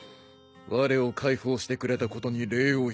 われを解放してくれたことに礼を言う。